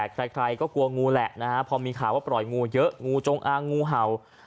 ใครก็กลัวงูแหละนะฮะพอมีข่าวว่าปล่อยงูเยอะงูจงอางงูเห่า